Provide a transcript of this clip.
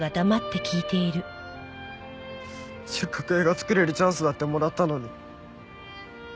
せっかく映画作れるチャンスだってもらったのに。